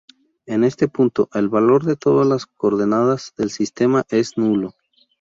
En este punto, el valor de todas las coordenadas del sistema es nulo.